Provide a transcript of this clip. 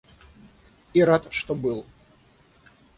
И рад, что был.